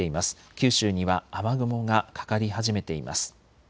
九州には雨雲がかかり始めています。